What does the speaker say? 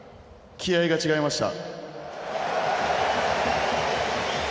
気合いが違いました。